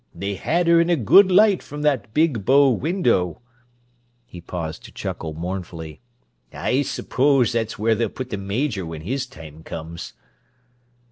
They had her in a good light from that big bow window." He paused to chuckle mournfully. "I s'pose that's where they'll put the Major when his time comes."